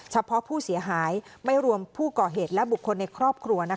เฉพาะผู้เสียหายไม่รวมผู้ก่อเหตุและบุคคลในครอบครัว